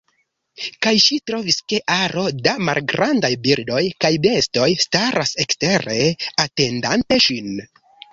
Kaj ŝi trovis, ke aro da malgrandaj birdoj kaj bestoj staras ekstere atendante ŝin.